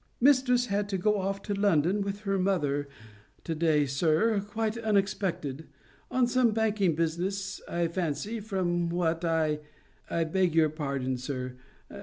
"Mistress had to go off to London with her mother to day, sir, quite unexpected, on some banking business, I fancy, from what I—I beg your pardon, sir.